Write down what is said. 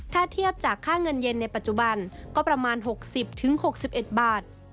ถ้าเทียบจากค่าเงินเย็นในปัจจุบันก็ประมาณ๖๐๖๑บาท